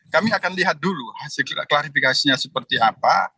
kami akan lihat dulu hasil klarifikasinya seperti apa